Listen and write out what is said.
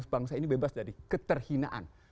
bangsa ini bebas dari keterhinaan